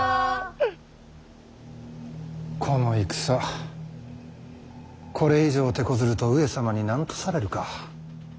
この戦これ以上てこずると上様に何とされるか。